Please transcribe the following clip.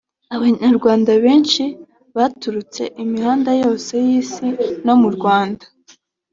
Abanyarwanda benshi baturutse imihanda yose y’isi no mu Rwanda